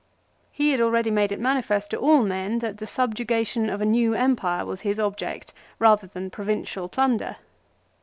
He had already made it manifest to all men that the subjugation of a new empire was his object rather than provincial plunder.